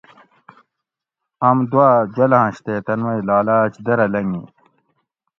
آم دوا جولاںش تے تن مئ لالاۤچ درہ لنگی